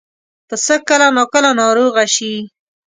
پسه کله ناکله ناروغه شي.